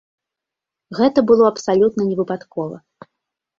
Гэта было абсалютна невыпадкова.